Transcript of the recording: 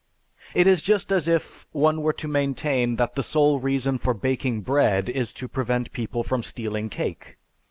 It is just as if one were to maintain that the sole reason for baking bread is to prevent people from stealing cake."